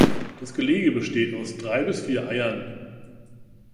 Das Gelege besteht aus drei bis vier Eiern.